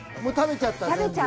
もう食べちゃった全部。